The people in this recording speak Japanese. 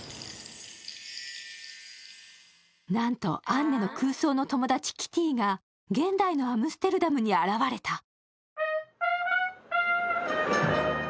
なんと、アンネの空想の友達・キティーが現代のアムステルダムに現れた。